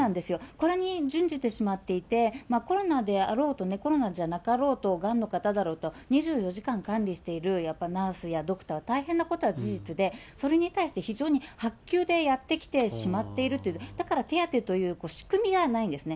これに準じてしまっていて、コロナであろうとね、コロナじゃなかろうと、がんの方だろうと、２４時間管理しているやっぱりナースやドクターは大変なことは事実で、それに対して非常に薄給でやってきてしまっているという、だから手当という仕組みはないんですね。